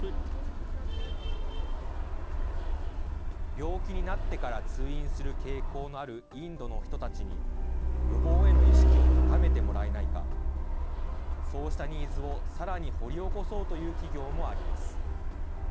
病気になってから通院する傾向のあるインドの人たちに、予防への意識を高めてもらえないか、そうしたニーズをさらに掘り起こそうという企業もあります。